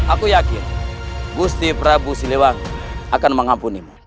aku yakin gusti prabu silewang akan mengampunimu